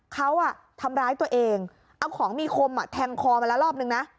เขาทำร้ายตัวเองเอาของมีคมแทงคอมาแล้วรอบนึงนะ